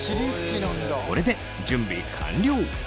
これで準備完了！